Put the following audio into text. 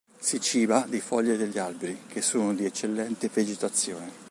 Si ciba di foglie degli alberi, che sono di eccellente vegetazione.